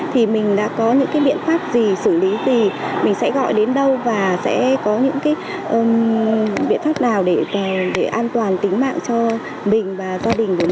thì mình đã có những cái biện phép gì xử lý gì mình sẽ gọi đến đâu và sẽ có những cái biện phép nào để an toàn tính mạng cho mình và gia đình của mình